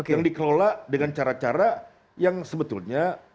yang dikelola dengan cara cara yang sebetulnya